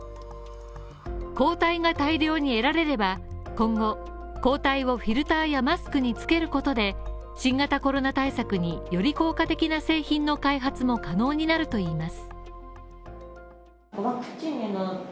抗体が大量に得られれば、今後、抗体をフィルターやマスクにつけることで新型コロナ対策により効果的な製品の開発も可能になるといいます。